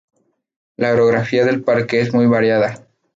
La orografía del parque es muy variada.